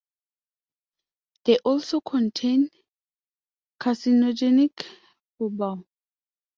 They also contain carcinogenic phorbol.